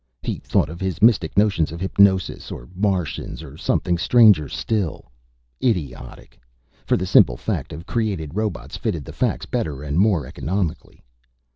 He thought of his mystic notions of hypnosis or Martians or something stranger still idiotic, for the simple fact of created robots fitted the facts better and more economically.